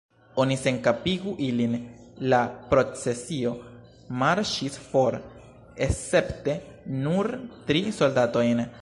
"Oni senkapigu ilin!" La procesio marŝis for, escepte nur tri soldatojn.